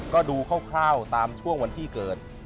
ก็ดูคร่าวตามช่วงวันที่เกิด